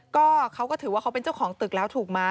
ก็เขาก็ถือว่าเขาเป็นเจ้าของตึกแล้วถูกไหม